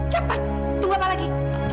cepat tunggu apa lagi